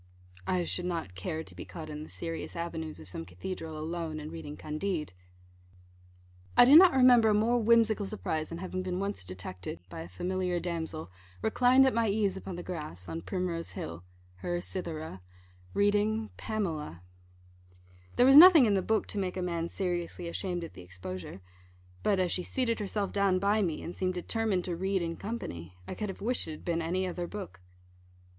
I should not care to be caught in the serious avenues of some cathedral alone, and reading Candide. I do not remember a more whimsical surprise than having been once detected by a familiar damsel reclined at my ease upon the grass, on Primrose Hill (her Cythera), reading Pamela. There was nothing in the book to make a man seriously ashamed at the exposure; but as she seated herself down by me, and seemed determined to read in company, I could have wished it had been any other book.